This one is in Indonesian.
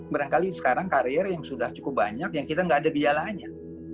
barangkali sekarang karier yang sudah cukup banyak yang kita nggak ada biayanya